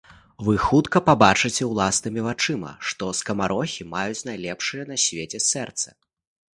Вы хутка пабачыце ўласнымі вачыма, што скамарохі маюць найлепшыя на свеце сэрцы.